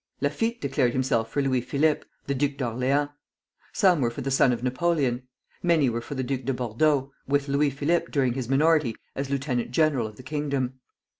Laffitte declared himself for Louis Philippe, the Duke of Orleans. Some were for the son of Napoleon. Many were for the Duc de Bordeaux, with Louis Philippe during his minority as lieutenant general of the kingdom.